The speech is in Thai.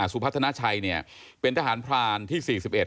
สุพัฒนาชัยเป็นทหารพรานที่๔๑